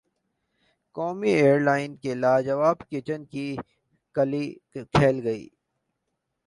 قومی ایئرلائن کے لاجواب کچن کی قلعی کھل گئی